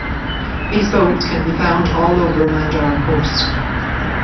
These boats can be found all over Mandar coast.